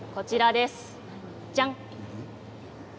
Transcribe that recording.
じゃーん！